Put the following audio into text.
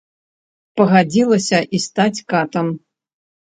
Пагадзілася і стаць катам.